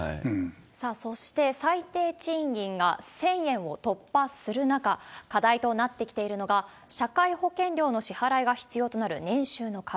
さあ、そして最低賃金が１０００円を突破する中、課題となってきているのが、社会保険料の支払いが必要となる年収の壁。